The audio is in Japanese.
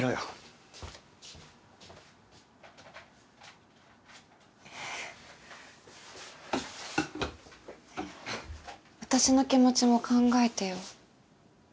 ねえ私の気持ちも考えてよ。